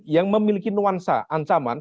yang memiliki nuansa ancaman